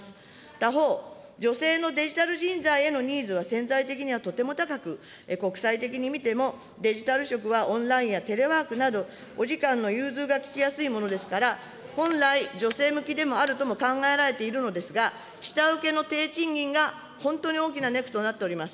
他方、女性のデジタル人材へのニーズは潜在的にはとても高く、国際的に見ても、デジタル職はオンラインやテレワークなど、お時間の融通が利きやすいものですから、本来、女性向きでもあると考えられているのですが、下請けの低賃金が本当に大きなネックとなっております。